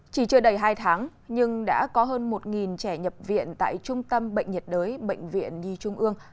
chỉ chưa đầy hai tháng nhưng đã có hơn một trẻ nhập viện tại trung tâm bệnh nhiệt đới bệnh viện nhi trung ương